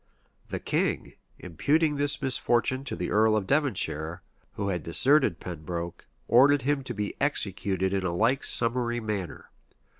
The king, imputing this misfortune to the earl of Devonshire, who had deserted Pembroke, ordered him to be executed in a like summary manner.